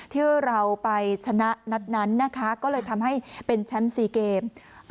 ที่เราไปชนะนัดนั้นนะคะก็เลยทำให้เป็นแชมป์๔เกม